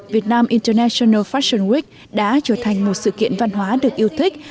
việt nam international fashion week đã trở thành một sự kiện văn hóa được yêu thích